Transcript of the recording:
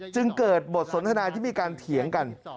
จึงเกิดบทสนทนาที่มีการเถียงกัน